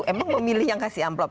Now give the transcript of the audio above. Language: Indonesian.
emang memilih yang kasih amplop